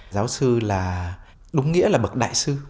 giáo sư là đúng nghĩa là bậc đại sư